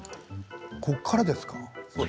ここからですか？